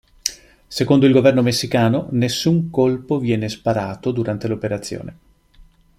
Secondo il governo messicano, nessun colpo viene sparato durante l'operazione.